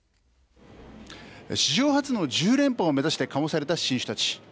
史上初の１０連覇を目指して醸された新酒たち。